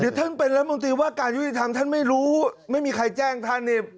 เดี๋ยวท่านเป็นรัฐมนตรีว่าการยุติธรรมท่านไม่รู้ไม่มีใครแจ้งท่านเนี่ย